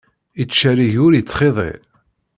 Ittcerrig ur ittxiḍi.